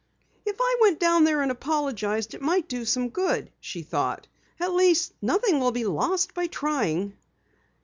"If I went down there and apologized it might do some good," she thought. "At least, nothing will be lost by trying."